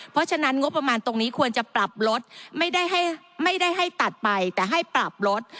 เพราะฉะนั้นงบประมาณตรงนี้ควรจะปรับลดไม่ได้ให้ตัดไปแต่ให้ปรับลด